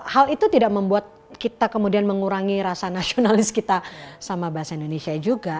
hal itu tidak membuat kita kemudian mengurangi rasa nasionalis kita sama bahasa indonesia juga